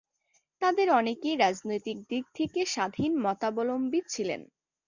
তাদের অনেকেই রাজনৈতিক দিক থেকে স্বাধীন মতাবলম্বী ছিলেন।